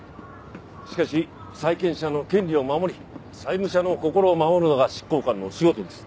しかし債権者の権利を守り債務者の心を守るのが執行官の仕事です。